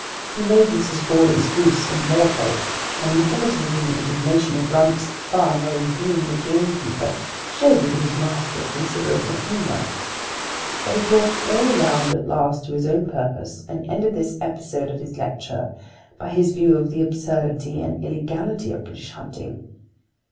He made Mrs. Goarly's goose immortal, and in imitating the indignation of Runce the farmer and Bean the gamekeeper showed that he was master of considerable humour. But he brought it all round at last to his own purpose, and ended this episode of his lecture by his view of the absurdity and illegality of British hunting.